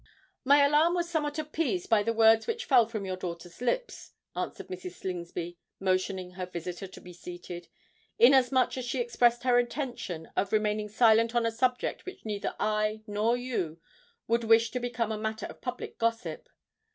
"My alarm was somewhat appeased by the words which fell from your daughter's lips," answered Mrs. Slingsby, motioning to her visitor to be seated; "inasmuch as she expressed her intention of remaining silent on a subject which neither I nor you would wish to become a matter of public gossip.